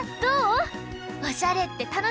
おしゃれってたのしいよね！